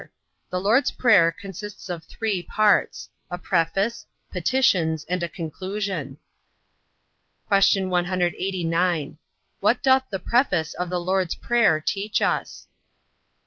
The Lord's prayer consists of three parts; a preface, petitions, and a conclusion. Q. 189. What doth the preface of the Lord's prayer teach us?